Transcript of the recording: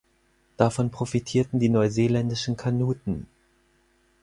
Davon profitierten die neuseeländischen Kanuten.